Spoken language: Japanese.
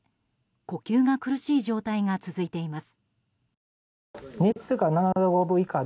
呼吸が苦しい状態が続いています。